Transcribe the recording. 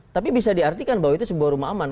tapi bisa diartikan bahwa itu sebuah rumah aman